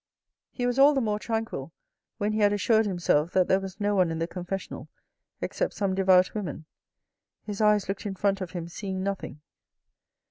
He was all the more tranquil when he had assured himself that there was no one in the confessional except some devout women. His eyes looked in front of him seeing nothing.